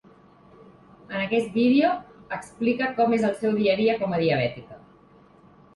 En aquest vídeo, explica com és el seu dia a dia com a diabètica.